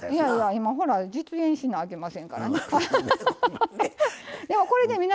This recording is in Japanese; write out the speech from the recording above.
今、ほら実演しないけませんからな。